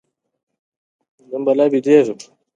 غوریانو په هند کې هم لویې او ځواکمنې واکمنۍ درلودې